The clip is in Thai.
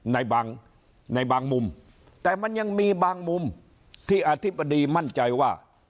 ในบางในบางมุมแต่มันยังมีบางมุมที่อธิบดีมั่นใจว่า